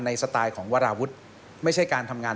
สไตล์ของวาราวุฒิไม่ใช่การทำงาน